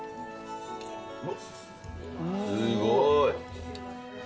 すごい。